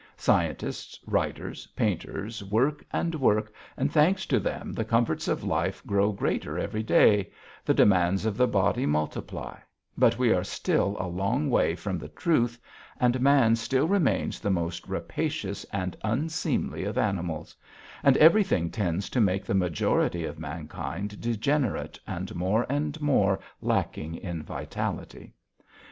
Scientists, writers, painters work and work, and thanks to them the comforts of life grow greater every day, the demands of the body multiply, but we are still a long way from the truth and man still remains the most rapacious and unseemly of animals, and everything tends to make the majority of mankind degenerate and more and more lacking in vitality.